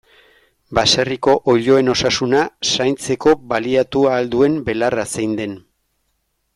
Baserriko oiloen osasuna zaintzeko baliatu ahal duen belarra zein den.